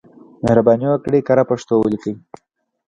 مهرباني وکړئ کره پښتو ولیکئ.